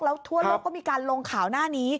แล้วทั่วโลกก็มีการลงข่าวหน้านี้